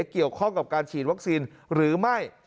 เกี่ยวข้องกับการฉีดวัคซีนหรือไม่